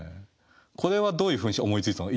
これはどういうふうにして思いついたの？